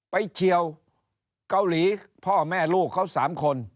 เฉียวเกาหลีพ่อแม่ลูกเขา๓คน